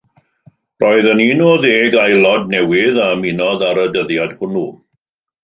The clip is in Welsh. Roedd yn un o ddeg aelod newydd a ymunodd ar y dyddiad hwnnw.